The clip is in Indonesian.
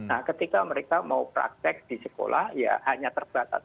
nah ketika mereka mau praktek di sekolah ya hanya terbatas